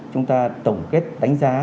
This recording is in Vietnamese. chúng ta tổng kết đánh giá